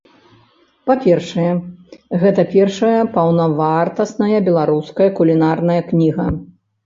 Па-першае, гэта першая паўнавартасная беларуская кулінарная кніга.